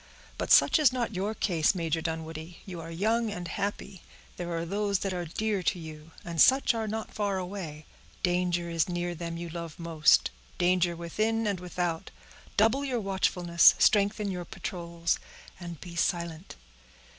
"But such is not your case, Major Dunwoodie; you are young and happy; there are those that are dear to you, and such are not far away—danger is near them you love most—danger within and without—double your watchfulness— strengthen your patrols—and be silent.